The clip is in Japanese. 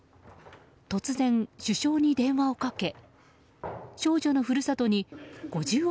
突然、首相に電話をかけ処女の故郷に、５０億